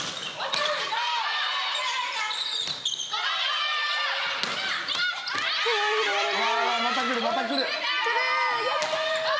あまた来るまた来る。